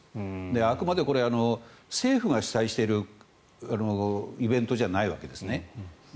あくまで、これは政府が主催しているイベントじゃないわけです。